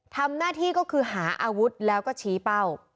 ทำหน้าที่ก็คือหาอาวุธแล้วก็ชี้เป้า